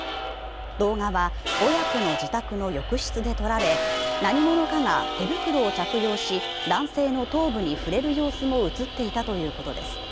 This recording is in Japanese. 動画は親子の自宅の浴室で撮られ何者かが手袋を着用し男性の頭部に触れる様子も映っていたということです。